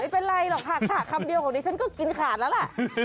ไม่เป็นไรหรอกค่ะคำเดียวของดิฉันก็กินขาดแล้วล่ะ